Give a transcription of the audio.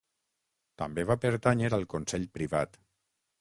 També va pertànyer al Consell Privat.